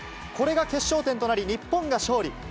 これが決勝点となり、日本が勝利。